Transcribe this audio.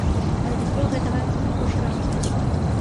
Але ніхто гэтага не хоча разумець.